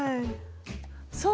そう！